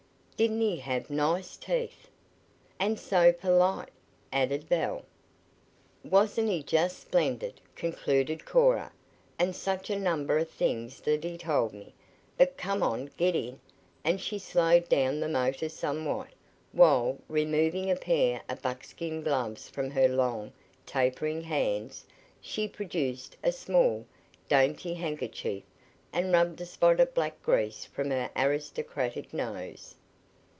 Didn't he have nice teeth?" "And so polite," added Belle. "Wasn't he just splendid?" concluded Cora. "And such a number of things that he told me. But come on, get in," and she slowed down the motor somewhat, while, removing a pair of buckskin gloves from her long, tapering hands, she produced a small, dainty handkerchief and rubbed a spot of black grease from her aristocratic nose.